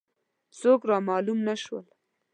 څوک را معلوم نه شول.